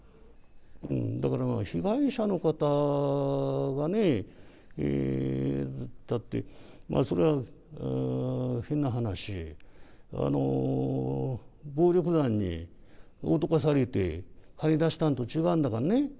だから、被害者の方がね、だって、それは、変な話、暴力団に脅かされて出したのと違うんだからね。